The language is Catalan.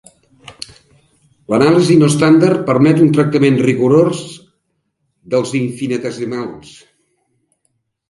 L'anàlisi no estàndard permet un tractament rigorós dels infinitesimals.